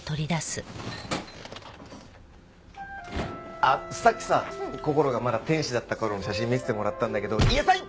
ああさっきさこころがまだ天使だった頃の写真見せてもらったんだけど癒やされ。